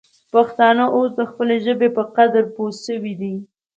پښتانه اوس د خپلې ژبې په قدر پوه سوي دي.